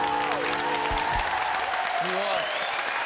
すごい。